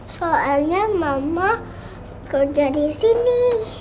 soalnya mama udah disini